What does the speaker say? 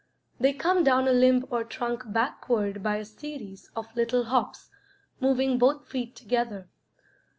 They come down a limb or trunk backward by a series of little hops, moving both feet together.